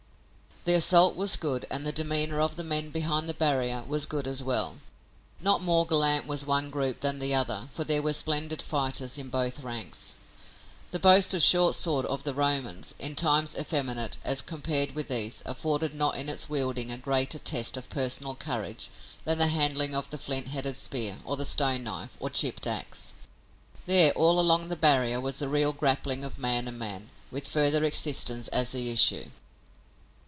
The assault was good and the demeanor of the men behind the barrier was good as well. Not more gallant was one group than the other for there were splendid fighters in both ranks. The boasted short sword of the Romans, in times effeminate, as compared with these, afforded not in its wielding a greater test of personal courage than the handling of the flint headed spear or the stone knife or chipped ax. There, all along the barrier, was the real grappling of man and man, with further existence as the issue.